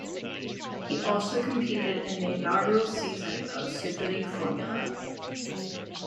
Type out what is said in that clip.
He also competed in the inaugural season of Superleague Formula.